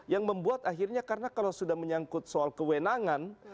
yang membuat akhirnya karena kalau sudah menyangkut soal kewenangan